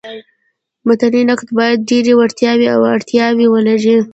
متني نقاد باید ډېري وړتیاوي او اړتیاوي ولري.